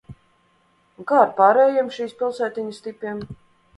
Un kā ar pārējiem šīs pilsētiņas tipiem?